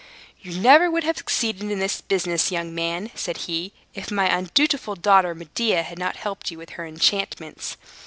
"You never would have succeeded in this business, young man," said he, "if my undutiful daughter Medea had not helped you with her enchantments.